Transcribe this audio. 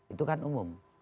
itu kan umum